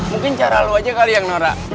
mungkin cara lo aja kali yang norak